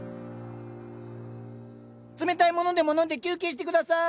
冷たいものでも飲んで休憩して下さい！